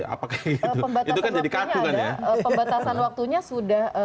apa itu kan jadi kaku kan ya pembahasan waktunya sudah